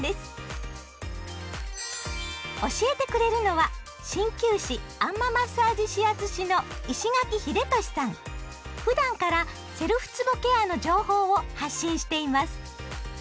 教えてくれるのは鍼灸師あん摩マッサージ指圧師のふだんからセルフつぼケアの情報を発信しています。